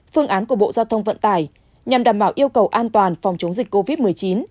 phương án của bộ giao thông vận tải nhằm đảm bảo yêu cầu an toàn phòng chống dịch covid một mươi chín